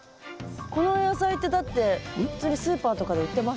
この野菜ってだって普通にスーパーとかで売ってますか？